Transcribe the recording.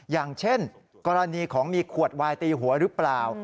อย่างเช่นกรณีของมีขวดวายตีหัวหรือเปล่า